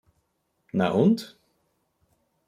Na und?